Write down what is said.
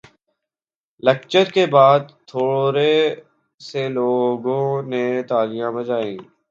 lecture کے بات تھورے سے لوگوں نے تالیاں بجائی